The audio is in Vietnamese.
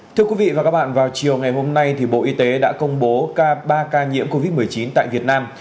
thưa quý vị và các bạn vào chiều ngày hôm nay bộ y tế đã công bố ca ba ca nhiễm covid một mươi chín tại việt nam